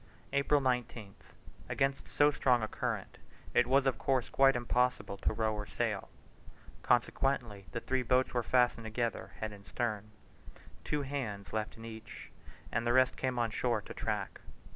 April 19th. Against so strong a current it was, of course, quite impossible to row or sail: consequently the three boats were fastened together head and stern, two hands left in each, and the rest came on shore to track.